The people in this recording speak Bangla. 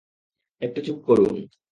একটু চুপ করুন!